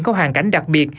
có hoàn cảnh đặc biệt